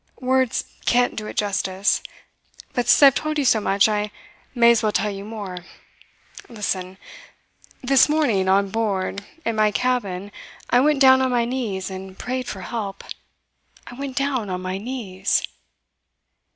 Words can't do it justice; but since I've told you so much I may as well tell you more. Listen. This morning on board, in my cabin I went down on my knees and prayed for help. I went down on my knees!"